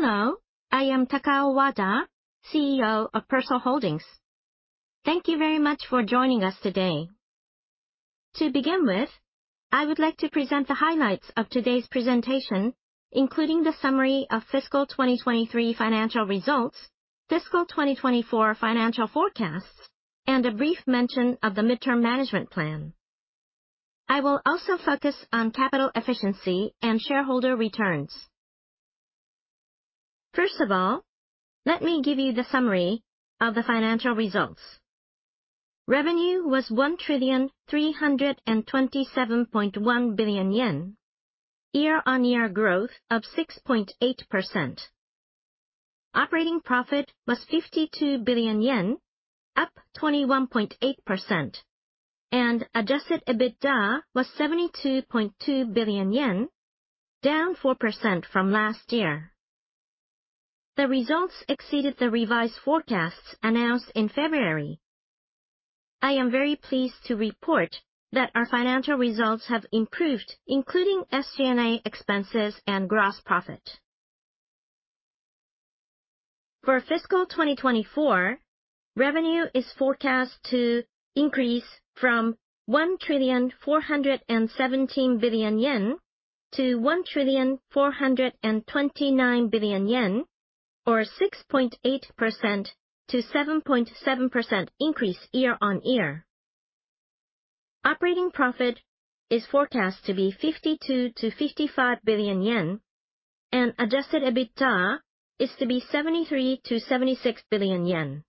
Hello, I am Takao Wada, CEO of Persol Holdings. Thank you very much for joining us today. To begin with, I would like to present the highlights of today's presentation, including the summary of fiscal 2023 financial results, fiscal 2024 financial forecasts, and a brief mention of the midterm management plan. I will also focus on capital efficiency and shareholder returns. First of all, let me give you the summary of the financial results. Revenue was 1,327.1 billion yen, year-on-year growth of 6.8%. Operating profit was 52 billion yen, up 21.8%, and adjusted EBITDA was 72.2 billion yen, down 4% from last year. The results exceeded the revised forecasts announced in February. I am very pleased to report that our financial results have improved, including SG&A expenses and gross profit. For fiscal 2024, revenue is forecast to increase from 1,417 billion yen to 1,429 billion yen, or 6.8%-7.7% increase year-on-year. Operating profit is forecast to be 52 billion-55 billion yen, and adjusted EBITDA is to be 73 billion-76 billion yen.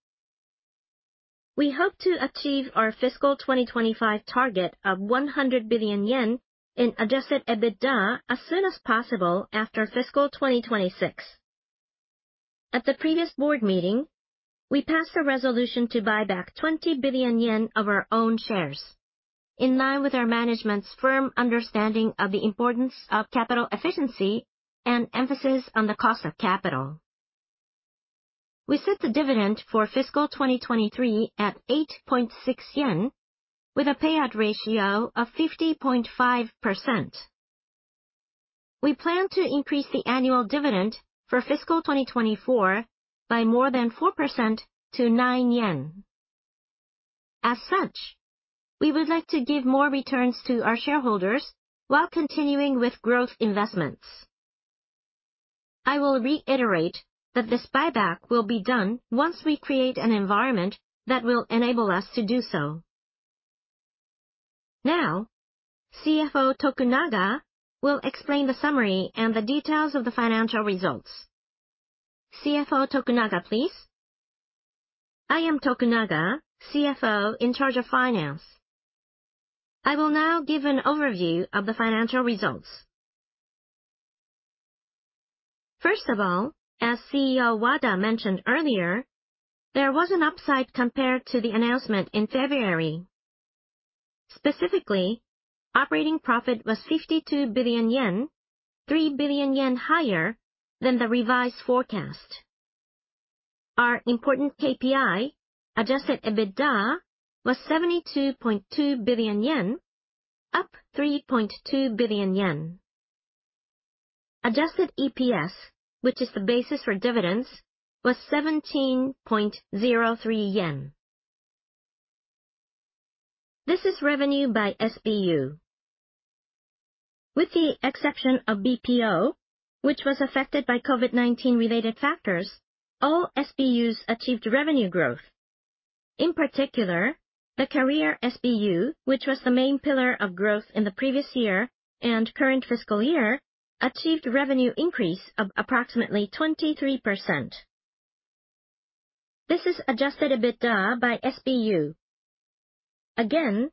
We hope to achieve our fiscal 2025 target of 100 billion yen in adjusted EBITDA as soon as possible after fiscal 2026. At the previous board meeting, we passed a resolution to buy back 20 billion yen of our own shares, in line with our management's firm understanding of the importance of capital efficiency and emphasis on the cost of capital. We set the dividend for fiscal 2023 at 8.6 yen, with a payout ratio of 50.5%. We plan to increase the annual dividend for fiscal 2024 by more than 4% to 9 yen. As such, we would like to give more returns to our shareholders while continuing with growth investments. I will reiterate that this buyback will be done once we create an environment that will enable us to do so. Now, CFO Tokunaga will explain the summary and the details of the financial results. CFO Tokunaga, please. I am Tokunaga, CFO in charge of finance. I will now give an overview of the financial results. First of all, as CEO Wada mentioned earlier, there was an upside compared to the announcement in February. Specifically, operating profit was 52 billion yen, 3 billion yen higher than the revised forecast. Our important KPI, adjusted EBITDA, was 72.2 billion yen, up 3.2 billion yen. Adjusted EPS, which is the basis for dividends, was 17.03 yen. This is revenue by SBU. With the exception of BPO, which was affected by COVID-19 related factors, all SBUs achieved revenue growth. In particular, the Career SBU, which was the main pillar of growth in the previous year and current fiscal year, achieved revenue increase of approximately 23%. This is adjusted EBITDA by SBU. Again,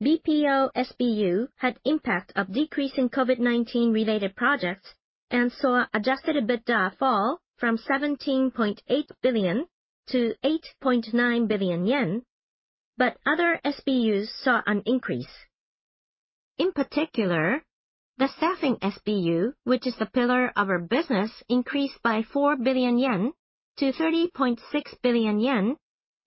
BPO SBU had impact of decreasing COVID-19 related projects and saw adjusted EBITDA fall from 17.8 billion-8.9 billion yen, but other SBUs saw an increase. In particular, the Staffing SBU, which is the pillar of our business, increased by 4 billion-30.6 billion yen,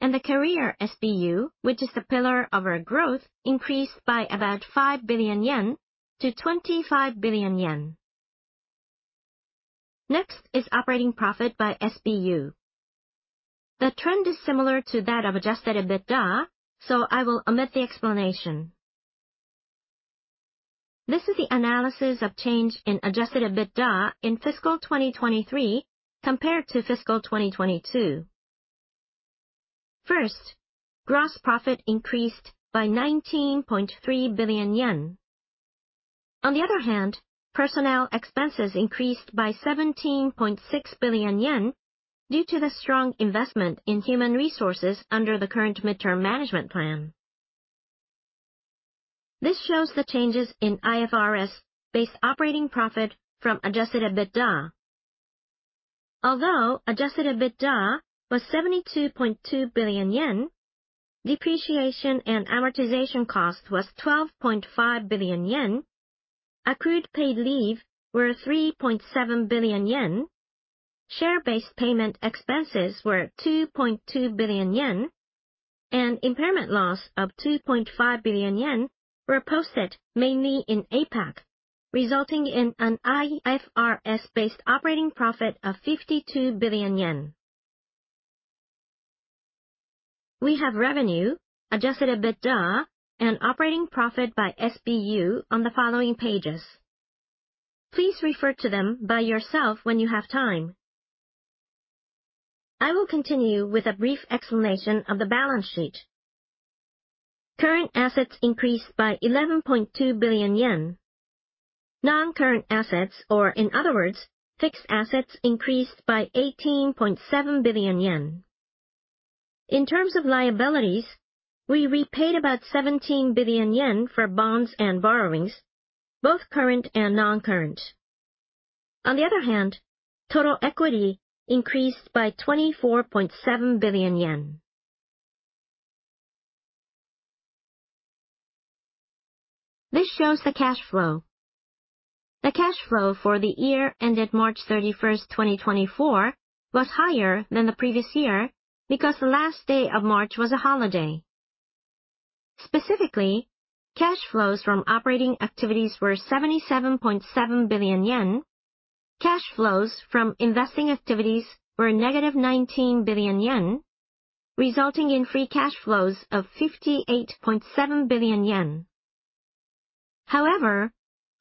and the Career SBU, which is the pillar of our growth, increased by about 5 billion-25 billion yen. Next is operating profit by SBU. The trend is similar to that of adjusted EBITDA, so I will omit the explanation. This is the analysis of change in adjusted EBITDA in fiscal 2023 compared to fiscal 2022. First, gross profit increased by 19.3 billion yen. On the other hand, personnel expenses increased by 17.6 billion yen due to the strong investment in human resources under the current midterm management plan. This shows the changes in IFRS-based operating profit from Adjusted EBITDA. Although adjusted EBITDA was 72.2 billion yen, depreciation and amortization cost was 12.5 billion yen, accrued paid leave were 3.7 billion yen, share-based payment expenses were 2.2 billion yen and impairment loss of 2.5 billion yen were posted mainly in APAC, resulting in an IFRS-based operating profit of JPY 52 billion. We have revenue, adjusted EBITDA, and operating profit by SBU on the following pages. Please refer to them by yourself when you have time. I will continue with a brief explanation of the balance sheet. Current assets increased by 11.2 billion yen. Non-current assets, or in other words, fixed assets, increased by 18.7 billion yen. In terms of liabilities, we repaid about 17 billion yen for bonds and borrowings, both current and non-current. On the other hand, total equity increased by 24.7 billion yen. This shows the cash flow. The cash flow for the year ended March 31, 2024, was higher than the previous year because the last day of March was a holiday. Specifically, cash flows from operating activities were 77.7 billion yen. Cash flows from investing activities were -19 billion yen, resulting in free cash flows of 58.7 billion yen. However,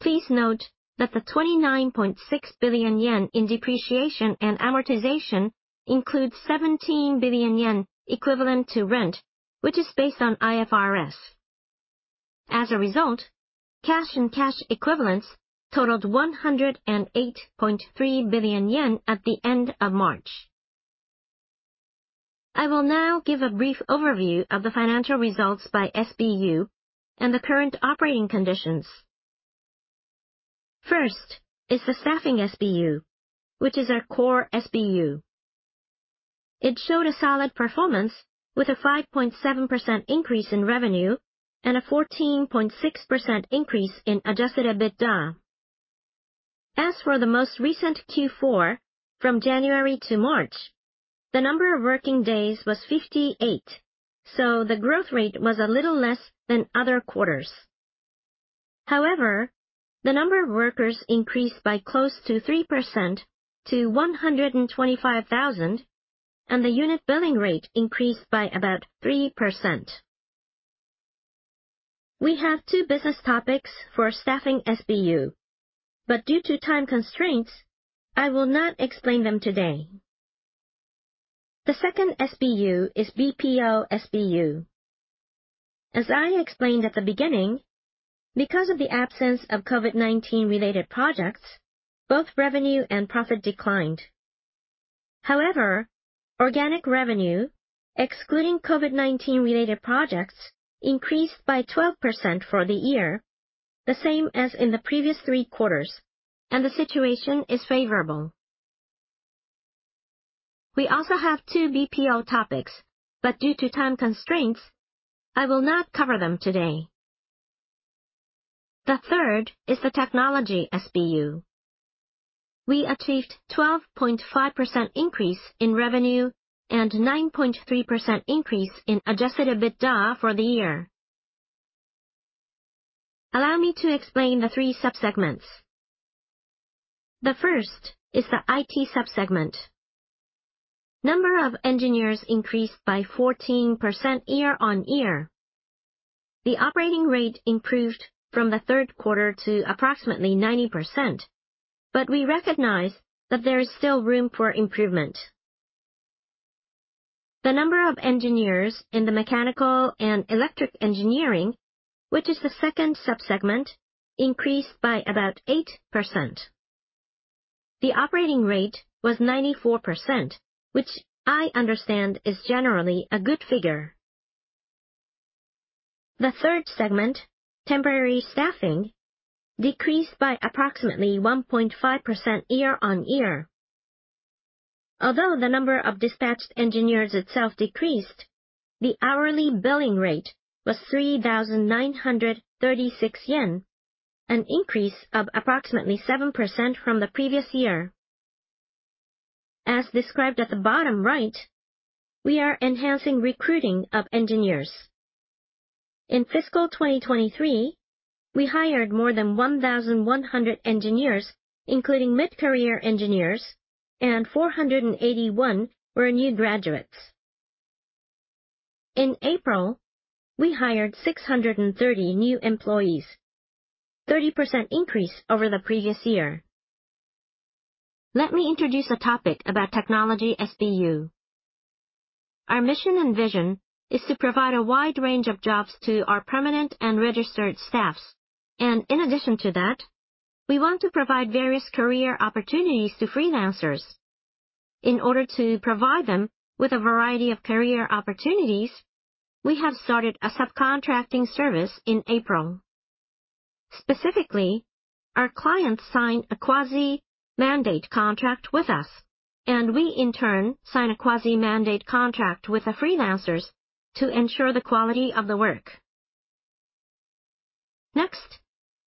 please note that the 29.6 billion yen in depreciation and amortization includes 17 billion yen equivalent to rent, which is based on IFRS. As a result, cash and cash equivalents totaled 108.3 billion yen at the end of March. I will now give a brief overview of the financial results by SBU and the current operating conditions. First is the Staffing SBU, which is our core SBU. It showed a solid performance with a 5.7% increase in revenue and a 14.6% increase in adjusted EBITDA. As for the most recent Q4, from January to March, the number of working days was 58, so the growth rate was a little less than other quarters. However, the number of workers increased by close to 3% to 125,000, and the unit billing rate increased by about 3%. We have two business topics for Staffing SBU, but due to time constraints, I will not explain them today. The second SBU is BPO SBU. As I explained at the beginning, because of the absence of COVID-19 related projects, both revenue and profit declined. However, organic revenue, excluding COVID-19-related projects, increased by 12% for the year, the same as in the previous three quarters, and the situation is favorable. We also have two BPO topics, but due to time constraints, I will not cover them today. The third is the Technology SBU. We achieved 12.5% increase in revenue and 9.3% increase in adjusted EBITDA for the year. Allow me to explain the three subsegments. The first is the IT subsegment. Number of engineers increased by 14% year-on-year. The operating rate improved from the third quarter to approximately 90%, but we recognize that there is still room for improvement. The number of engineers in the Mechanical and Electrical Engineering, which is the second subsegment, increased by about 8%. The operating rate was 94%, which I understand is generally a good figure. The third segment, Temporary Staffing, decreased by approximately 1.5% year-on-year. Although the number of dispatched engineers itself decreased, the hourly billing rate was 3,936 yen, an increase of approximately 7% from the previous year. As described at the bottom right, we are enhancing recruiting of engineers. In fiscal 2023, we hired more than 1,100 engineers, including mid-career engineers, and 481 were new graduates. In April, we hired 630 new employees, 30% increase over the previous year. Let me introduce a topic about Technology SBU. Our mission and vision are to provide a wide range of jobs to our permanent and registered staffs, and in addition to that, we want to provide various career opportunities to freelancers. In order to provide them with a variety of career opportunities, we have started a subcontracting service in April. Specifically, our clients sign a quasi-mandate contract with us, and we in turn sign a quasi-mandate contract with the freelancers to ensure the quality of the work. Next,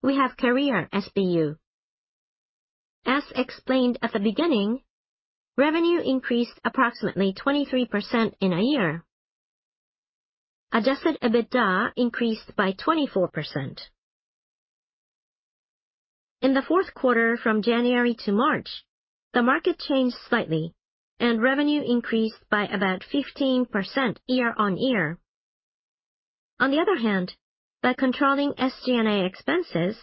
we have Career SBU. As explained at the beginning, revenue increased approximately 23% in a year. Adjusted EBITDA increased by 24%. In the fourth quarter, from January to March, the market changed slightly, and revenue increased by about 15% year-on-year. On the other hand, by controlling SG&A expenses,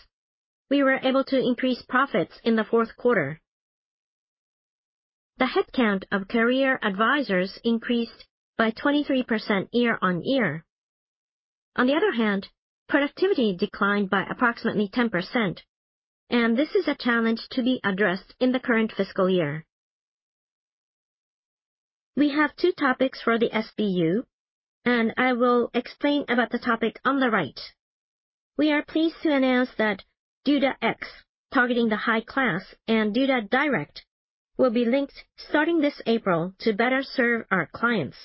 we were able to increase profits in the fourth quarter. The headcount of career advisors increased by 23% year-on-year. On the other hand, productivity declined by approximately 10%, and this is a challenge to be addressed in the current fiscal year. We have two topics for the SBU, and I will explain about the topic on the right. We are pleased to announce that doda X, targeting the high class, and doda Direct will be linked starting this April to better serve our clients.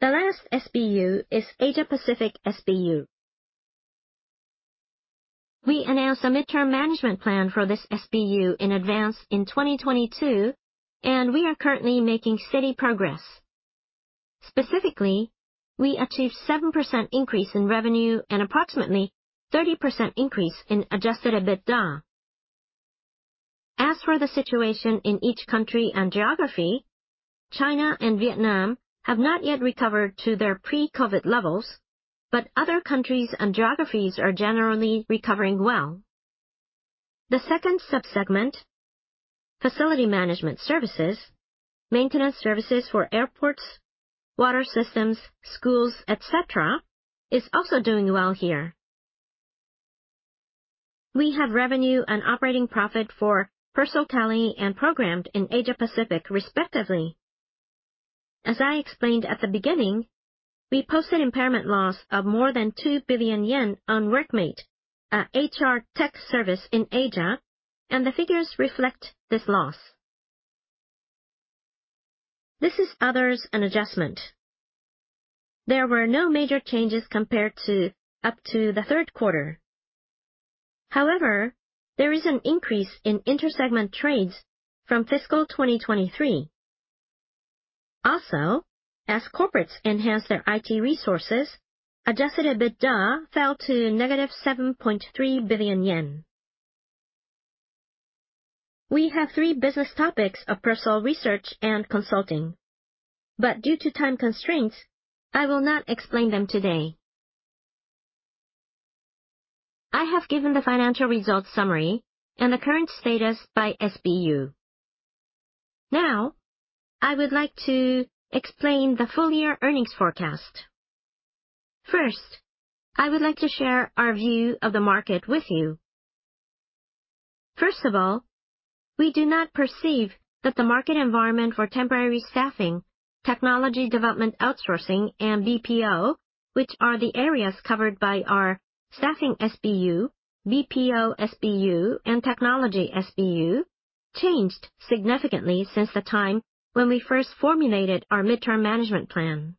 The last SBU is Asia Pacific SBU. We announced a midterm management plan for this SBU in advance in 2022, and we are currently making steady progress. Specifically, we achieved 7% increase in revenue and approximately 30% increase in adjusted EBITDA. As for the situation in each country and geography, China and Vietnam have not yet recovered to their pre-COVID levels, but other countries and geographies are generally recovering well. The second sub-segment, facility management services, maintenance services for airports, water systems, schools, et cetera, is also doing well here. We have revenue and operating profit for PersolKelly and Programmed in Asia Pacific, respectively. As I explained at the beginning, we posted impairment loss of more than 2 billion yen on Workmate, a HR tech service in Asia, and the figures reflect this loss. This is others and adjustment. There were no major changes compared to up to the third quarter. However, there is an increase in inter-segment trades from fiscal 2023. Also, as corporates enhance their IT consulting, adjusted EBITDA fell to -7.3 billion yen. We have three business topics of Persol Research and Consulting, but due to time constraints, I will not explain them today. I have given the financial results summary and the current status by SBU. Now, I would like to explain the full year earnings forecast. First, I would like to share our view of the market with you. First of all, we do not perceive that the market environment for temporary staffing, technology development outsourcing, and BPO, which are the areas covered by our staffing SBU, BPO SBU, and technology SBU, changed significantly since the time when we first formulated our midterm management plan.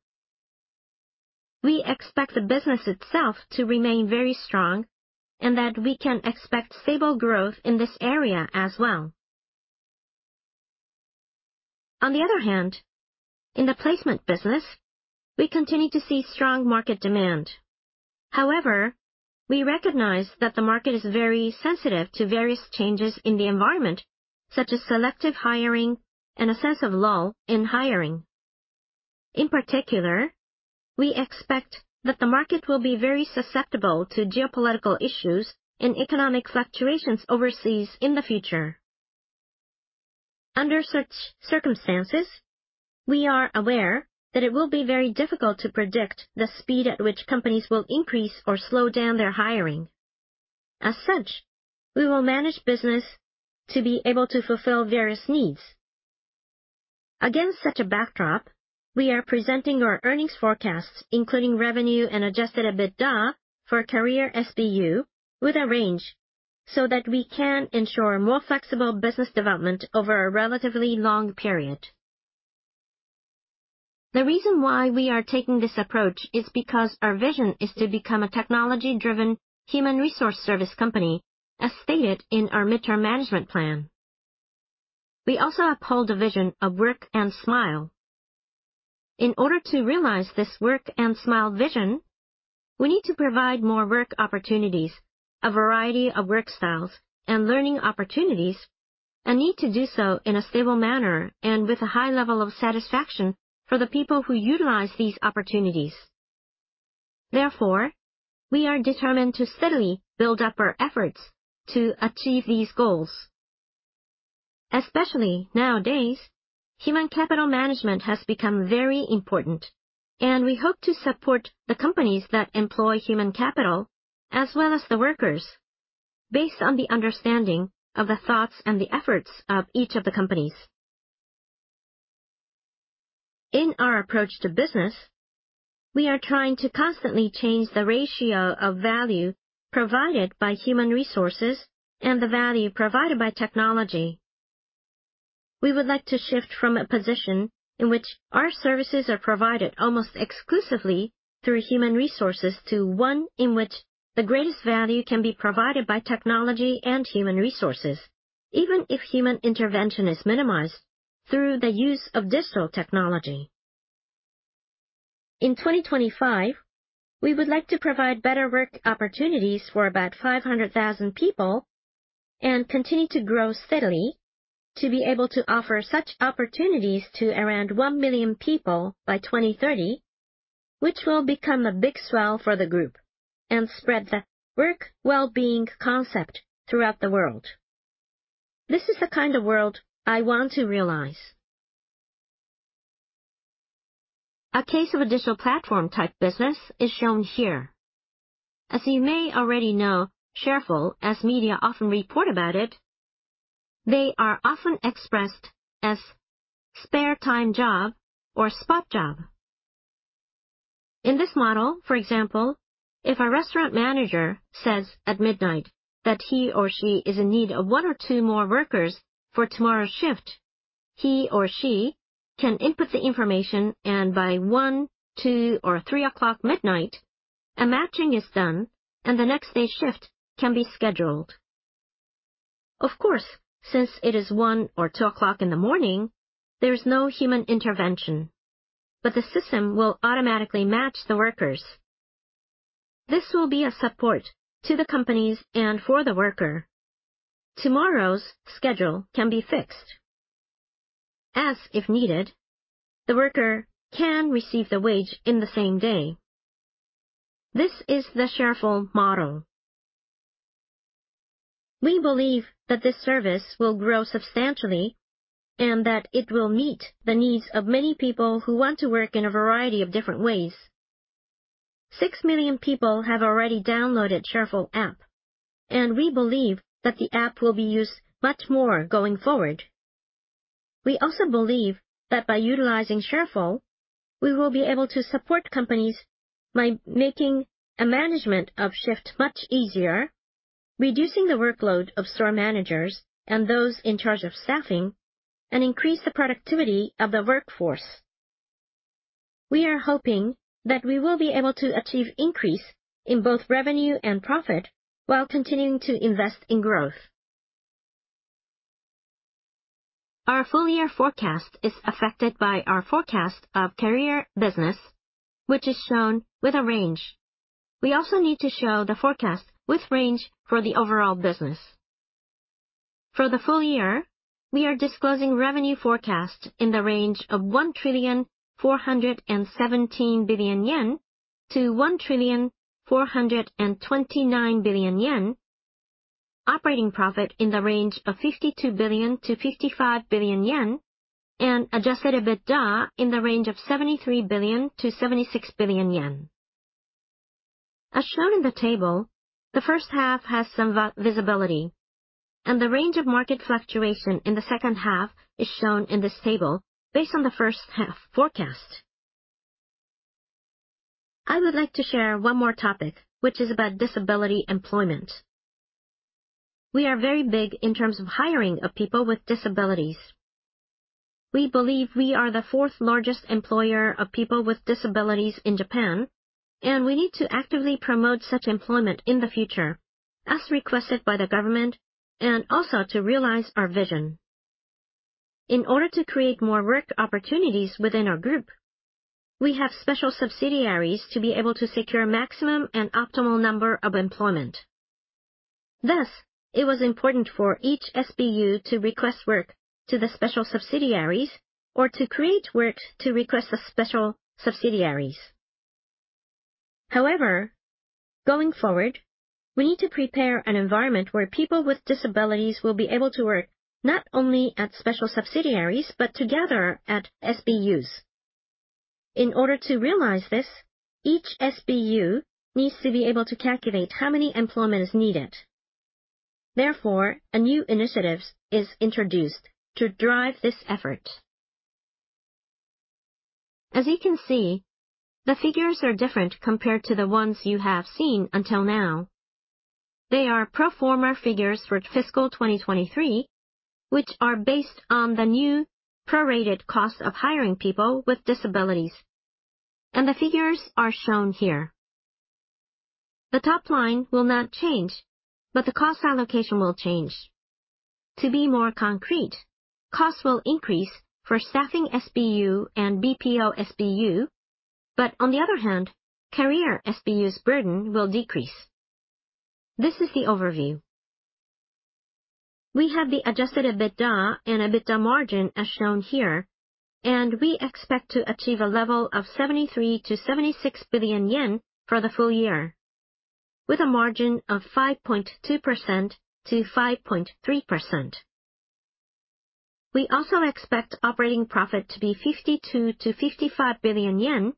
We expect the business itself to remain very strong and that we can expect stable growth in this area as well. On the other hand, in the placement business, we continue to see strong market demand. However, we recognize that the market is very sensitive to various changes in the environment, such as selective hiring and a sense of lull in hiring. In particular, we expect that the market will be very susceptible to geopolitical issues and economic fluctuations overseas in the future. Under such circumstances, we are aware that it will be very difficult to predict the speed at which companies will increase or slow down their hiring. As such, we will manage business to be able to fulfill various needs. Against such a backdrop, we are presenting our earnings forecasts, including revenue and adjusted EBITDA for Career SBU, with a range so that we can ensure more flexible business development over a relatively long period. The reason why we are taking this approach is because our vision is to become a technology-driven human resource service company, as stated in our midterm management plan. We also uphold a vision of Work and Smile. In order to realize this Work and Smile vision, we need to provide more work opportunities, a variety of work styles and learning opportunities, and need to do so in a stable manner and with a high level of satisfaction for the people who utilize these opportunities. Therefore, we are determined to steadily build up our efforts to achieve these goals. Especially nowadays, human capital management has become very important, and we hope to support the companies that employ human capital as well as the workers, based on the understanding of the thoughts and the efforts of each of the companies. In our approach to business, we are trying to constantly change the ratio of value provided by human resources and the value provided by technology. We would like to shift from a position in which our services are provided almost exclusively through human resources, to one in which the greatest value can be provided by technology and human resources, even if human intervention is minimized through the use of digital technology. In 2025, we would like to provide better work opportunities for about 500,000 people and continue to grow steadily to be able to offer such opportunities to around one million people by 2030, which will become a big swell for the group and spread the work well-being concept throughout the world. This is the kind of world I want to realize. A case of a digital platform-type business is shown here. As you may already know, Sharefull, as media often report about it, they are often expressed as spare time job or spot job. In this model, for example, if a restaurant manager says at midnight that he or she is in need of 1 or 2 more workers for tomorrow's shift, he or she can input the information, and by 1, 2, or 3 o'clock midnight, a matching is done, and the next day's shift can be scheduled. Of course, since it is 1 or 2 o'clock in the morning, there is no human intervention, but the system will automatically match the workers. This will be a support to the companies and for the worker. Tomorrow's schedule can be fixed, as if needed, the worker can receive the wage in the same day. This is the Sharefull model. We believe that this service will grow substantially and that it will meet the needs of many people who want to work in a variety of different ways. Six million people have already downloaded Sharefull app, and we believe that the app will be used much more going forward. We also believe that by utilizing Sharefull, we will be able to support companies by making a management of shift much easier, reducing the workload of store managers and those in charge of staffing, and increase the productivity of the workforce. We are hoping that we will be able to achieve increase in both revenue and profit while continuing to invest in growth. Our full year forecast is affected by our forecast of career business, which is shown with a range. We also need to show the forecast with range for the overall business. For the full year, we are disclosing revenue forecast in the range of 1,417 billion-1,429 billion yen. Operating profit in the range of 52 billion-55 billion yen and adjusted EBITDA in the range of 73 billion-76 billion yen. As shown in the table, the first half has some visibility, and the range of market fluctuation in the second half is shown in this table based on the first half forecast. I would like to share one more topic, which is about disability employment. We are very big in terms of hiring of people with disabilities. We believe we are the fourth-largest employer of people with disabilities in Japan, and we need to actively promote such employment in the future, as requested by the government, and also to realize our vision. In order to create more work opportunities within our group, we have special subsidiaries to be able to secure maximum and optimal number of employment. Thus, it was important for each SBU to request work to the special subsidiaries or to create work to request the special subsidiaries. However, going forward, we need to prepare an environment where people with disabilities will be able to work not only at special subsidiaries, but together at SBUs. In order to realize this, each SBU needs to be able to calculate how many employment is needed. Therefore, a new initiative is introduced to drive this effort. As you can see, the figures are different compared to the ones you have seen until now. They are pro forma figures for fiscal 2023, which are based on the new prorated cost of hiring people with disabilities, and the figures are shown here. The top line will not change, but the cost allocation will change. To be more concrete, costs will increase for Staffing SBU and BPO SBU, but on the other hand, Career SBU's burden will decrease. This is the overview. We have the adjusted EBITDA and EBITDA margin as shown here, and we expect to achieve a level of 73 billion-76 billion yen for the full year, with a margin of 5.2%-5.3%. We also expect operating profit to be 52 billion-55 billion yen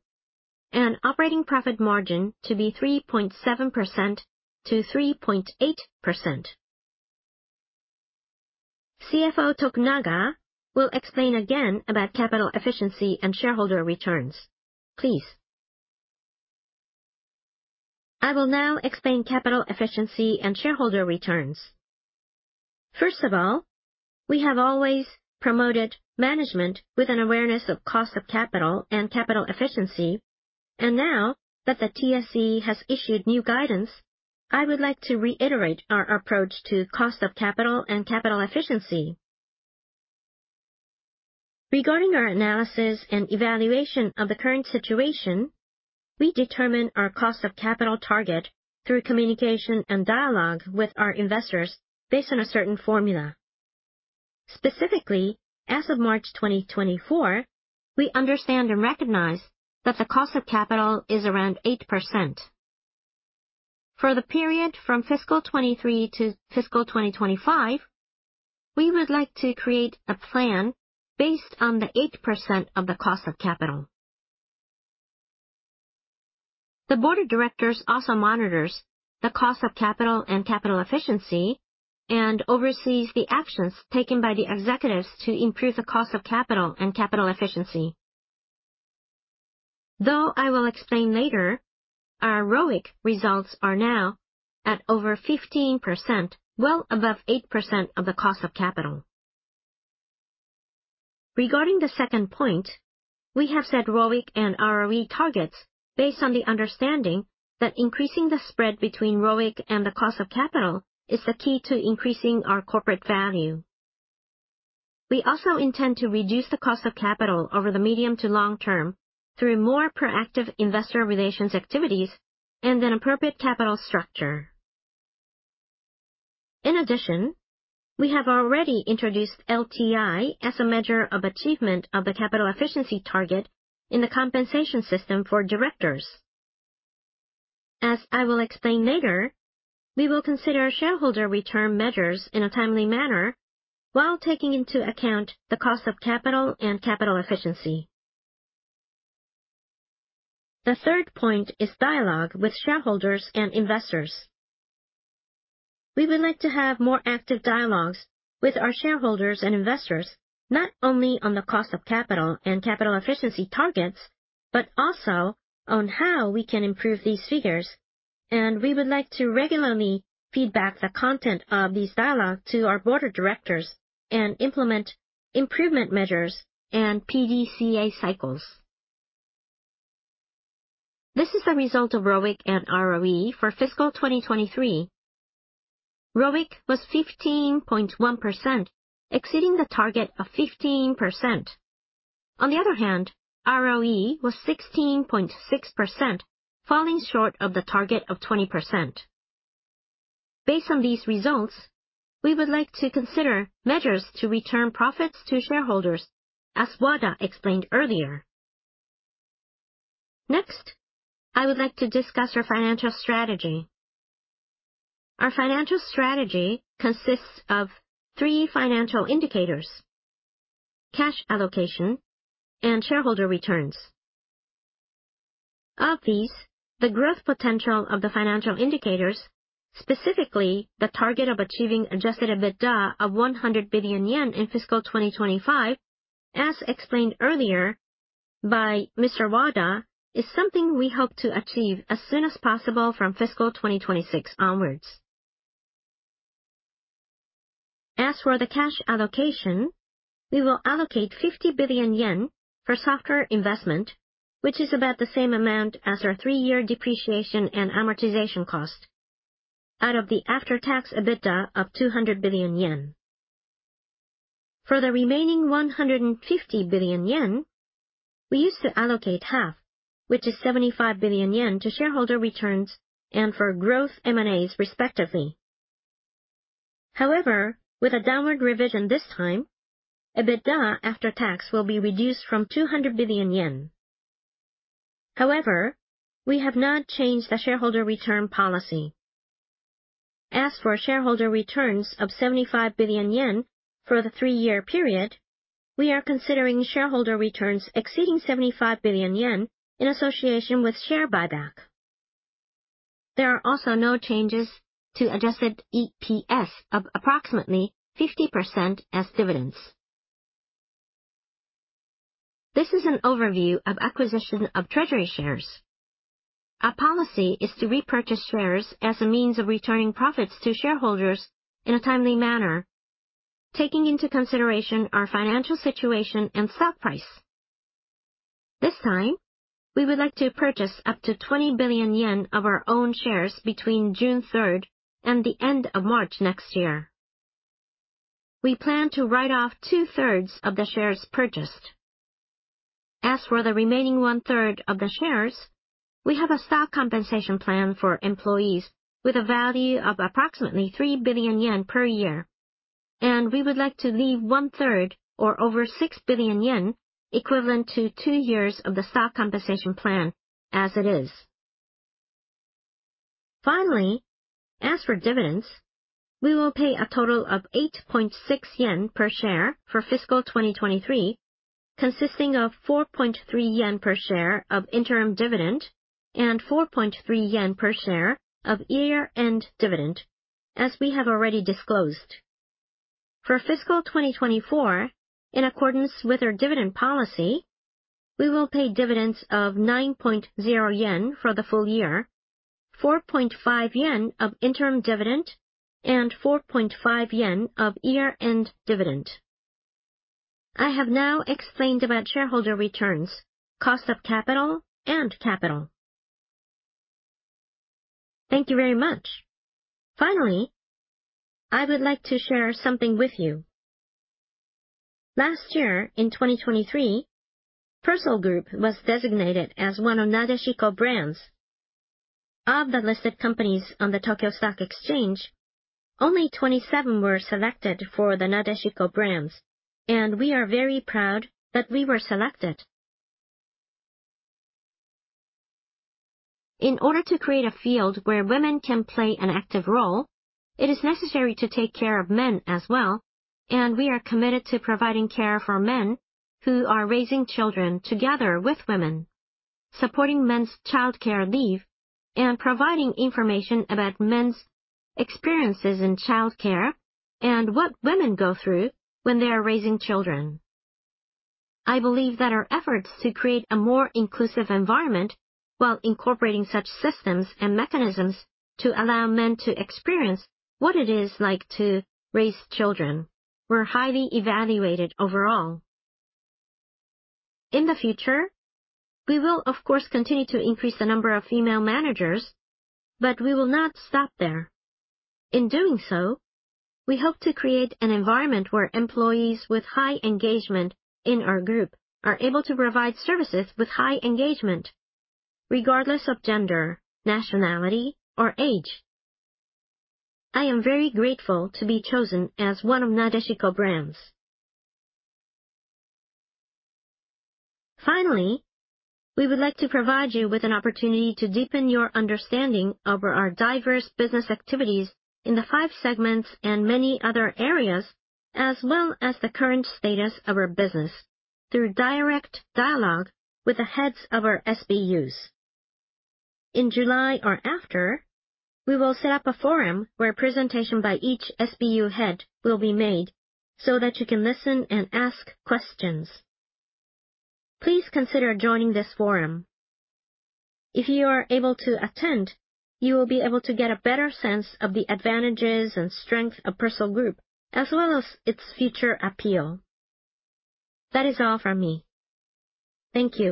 and operating profit margin to be 3.7%-3.8%. CFO Tokunaga will explain again about capital efficiency and shareholder returns. Please.... I will now explain capital efficiency and shareholder returns. First of all, we have always promoted management with an awareness of cost of capital and capital efficiency, and now that the TSE has issued new guidance, I would like to reiterate our approach to cost of capital and capital efficiency. Regarding our analysis and evaluation of the current situation, we determine our cost of capital target through communication and dialogue with our investors based on a certain formula. Specifically, as of March 2024, we understand and recognize that the cost of capital is around 8%. For the period from fiscal 2023 to fiscal 2025, we would like to create a plan based on the 8% of the cost of capital. The board of directors also monitors the cost of capital and capital efficiency and oversees the actions taken by the executives to improve the cost of capital and capital efficiency. Though I will explain later, our ROIC results are now at over 15%, well above 8% of the cost of capital. Regarding the second point, we have set ROIC and ROE targets based on the understanding that increasing the spread between ROIC and the cost of capital is the key to increasing our corporate value. We also intend to reduce the cost of capital over the medium to long term through more proactive investor relations activities and an appropriate capital structure. In addition, we have already introduced LTI as a measure of achievement of the capital efficiency target in the compensation system for directors. As I will explain later, we will consider shareholder return measures in a timely manner while taking into account the cost of capital and capital efficiency. The third point is dialogue with shareholders and investors. We would like to have more active dialogues with our shareholders and investors, not only on the cost of capital and capital efficiency targets, but also on how we can improve these figures, and we would like to regularly feedback the content of these dialogues to our board of directors and implement improvement measures and PDCA cycles. This is the result of ROIC and ROE for fiscal 2023. ROIC was 15.1%, exceeding the target of 15%. On the other hand, ROE was 16.6%, falling short of the target of 20%. Based on these results, we would like to consider measures to return profits to shareholders, as Wada explained earlier. Next, I would like to discuss our financial strategy. Our financial strategy consists of three financial indicators: cash allocation and shareholder returns. Of these, the growth potential of the financial indicators, specifically the target of achieving adjusted EBITDA of 100 billion yen in fiscal 2025, as explained earlier by Mr. Wada, is something we hope to achieve as soon as possible from fiscal 2026 onwards. As for the cash allocation, we will allocate 50 billion yen for software investment, which is about the same amount as our three-year depreciation and amortization cost out of the after-tax EBITDA of 200 billion yen. For the remaining 150 billion yen, we used to allocate half, which is 75 billion yen, to shareholder returns and for growth M&As respectively. However, with a downward revision this time, EBITDA after tax will be reduced from 200 billion yen. However, we have not changed the shareholder return policy. As for shareholder returns of 75 billion yen for the three-year period, we are considering shareholder returns exceeding 75 billion yen in association with share buyback. There are also no changes to adjusted EPS of approximately 50% as dividends. This is an overview of acquisition of treasury shares. Our policy is to repurchase shares as a means of returning profits to shareholders in a timely manner, taking into consideration our financial situation and stock price. This time, we would like to purchase up to 20 billions yen of our own shares between June 3 and the end of March next year. We plan to write off 2/3 of the shares purchased. As for the remaining one-third of the shares, we have a stock compensation plan for employees with a value of approximately 3 billion yen per year, and we would like to leave one-third or over 6 billion yen, equivalent to 2 years of the stock compensation plan as it is. Finally, as for dividends, we will pay a total of 8.6 yen per share for fiscal 2023, consisting of 4.3 yen per share of interim dividend and 4.3 yen per share of year-end dividend, as we have already disclosed. For fiscal 2024, in accordance with our dividend policy, we will pay dividends of 9.0 yen for the full year, 4.5 yen of interim dividend, and 4.5 yen of year-end dividend. I have now explained about shareholder returns, cost of capital, and capital. Thank you very much. Finally, I would like to share something with you. Last year, in 2023, Persol Group was designated as one of Nadeshiko Brands. Of the listed companies on the Tokyo Stock Exchange, only 27 were selected for the Nadeshiko Brands, and we are very proud that we were selected. In order to create a field where women can play an active role, it is necessary to take care of men as well, and we are committed to providing care for men who are raising children together with women, supporting men's childcare leave, and providing information about men's experiences in childcare and what women go through when they are raising children. I believe that our efforts to create a more inclusive environment while incorporating such systems and mechanisms to allow men to experience what it is like to raise children were highly evaluated overall. In the future, we will of course continue to increase the number of female managers, but we will not stop there. In doing so, we hope to create an environment where employees with high engagement in our group are able to provide services with high engagement, regardless of gender, nationality, or age. I am very grateful to be chosen as one of Nadeshiko Brands. Finally, we would like to provide you with an opportunity to deepen your understanding of our diverse business activities in the five segments and many other areas, as well as the current status of our business through direct dialogue with the heads of our SBUs. In July or after, we will set up a forum where a presentation by each SBU head will be made so that you can listen and ask questions. Please consider joining this forum. If you are able to attend, you will be able to get a better sense of the advantages and strength of Persol Group, as well as its future appeal. That is all from me. Thank you.